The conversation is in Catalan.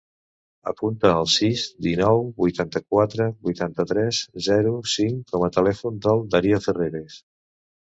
Apunta el sis, dinou, vuitanta-quatre, vuitanta-tres, zero, cinc com a telèfon del Dario Ferreres.